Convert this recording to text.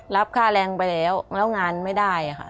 รับค่าแรงไปแล้วแล้วงานไม่ได้ค่ะ